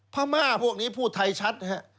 พม่าพวกนี้พูดไทยชัดฮะ